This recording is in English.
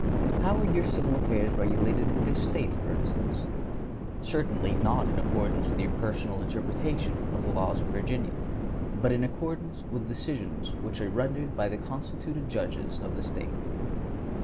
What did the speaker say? How are your civil affairs regulated in this State, for instance? Certainly not in accordance with your personal interpretation of the laws of Virginia, but in accordance with decisions which are rendered by the constituted judges of the State.